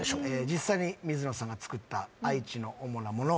実際に水野さんが作った愛知の主なもの